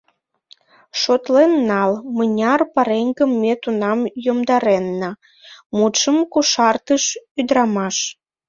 Шотлен нал, мыняр пареҥгым ме тунам йомдаренна, — мутшым кошартыш ӱдрамаш.